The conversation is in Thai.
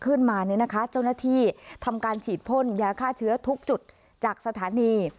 ขึ้นมาเนี่ยนะคะเจ้าหน้าที่ทำการฉีดพ่นยาฆ่าเชื้อทุกจุดจากสถานี